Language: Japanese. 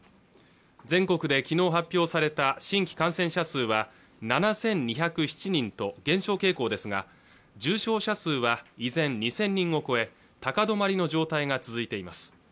全国で昨日発表された新規感染者数は７２０７人と減少傾向ですが重症者数は依然２０００人を超え高止まりの状態が続いています